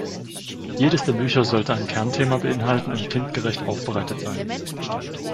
Jedes der Bücher sollte ein Kernthema beinhalten und kindgerecht aufbereitet sein.